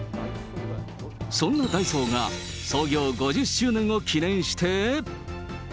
そんなダイソーが創業５０周年を記念して。